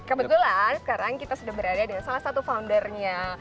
kebetulan sekarang kita sudah berada di salah satu foundernya